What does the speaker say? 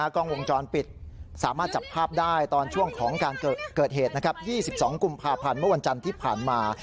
กล้องวงจรปิดสามารถจับภาพได้ตอนช่วงของการเกิดเหตุ๒๒กุมภาพันธ์เมื่อวันจันทร์ที่ผ่านมา